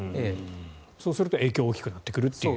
そうすると影響が大きくなってくるという。